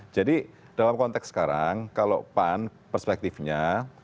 jadi dalam konteks sekarang kalau pak an perspektifnya